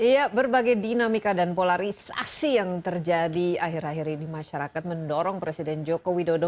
ya berbagai dinamika dan polarisasi yang terjadi akhir akhir ini masyarakat mendorong presiden joko widodo